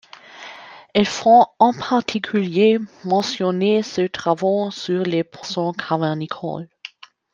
Il faut en particulier, mentionner ses travaux sur les poissons cavernicoles.